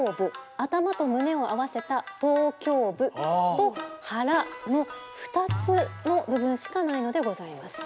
頭と胸を合わせた頭胸部と「はら」の２つの部分しかないのでございます。